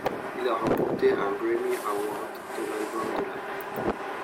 Il a remporté un Grammy Award de l'album de l'année.